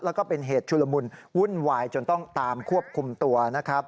แล้วก็เป็นเหตุชุลมุนวุ่นวายจนต้องตามควบคุมตัวนะครับ